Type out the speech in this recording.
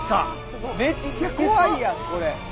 めっちゃ怖いやんこれ。